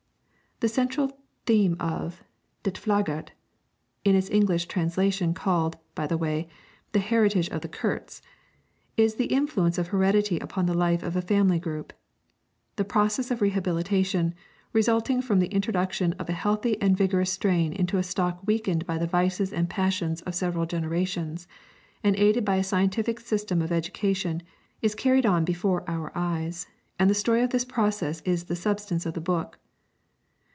The central theme of 'Det Flager' (in its English translation called, by the way, 'The Heritage of the Kurts') is the influence of heredity upon the life of a family group. The process of rehabilitation, resulting from the introduction of a healthy and vigorous strain into a stock weakened by the vices and passions of several generations, and aided by a scientific system of education, is carried on before our eyes, and the story of this process is the substance of the book.